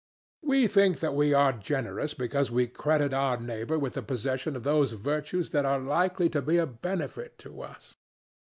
We think that we are generous because we credit our neighbour with the possession of those virtues that are likely to be a benefit to us.